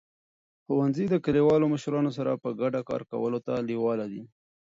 ښوونځي د کلیوالو مشرانو سره په ګډه کار کولو ته لیواله دي.